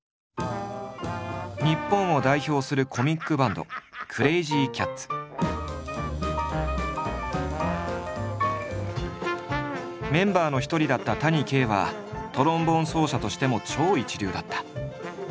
日本を代表するコミックバンドメンバーの一人だった谷啓はトロンボーン奏者としても超一流だった。